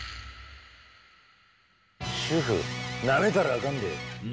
主夫ナメたらあかんで。